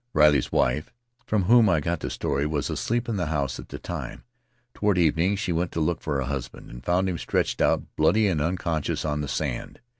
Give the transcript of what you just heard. Riley's wife, from whom I got the story, was asleep in the house at the time; toward evening she went to look for her husband, and found him stretched out, bloody and unconscious, on the sand.